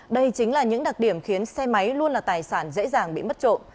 đây chính là những đặc điểm khiến xe máy luôn là tài sản dễ dàng bị mất trộm